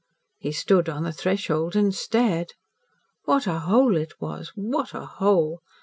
He stood on the threshold and stared. What a hole it was what a hole!